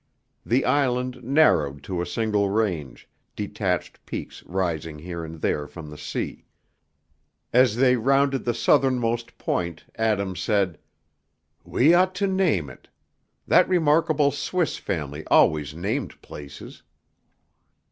The island narrowed to a single range, detached peaks rising here and there from the sea. As they rounded the southernmost point, Adam said, "We ought to name it; that remarkable Swiss family always named places."